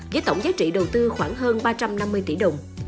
với tổng giá trị đầu tư khoảng hơn ba trăm năm mươi tỷ đồng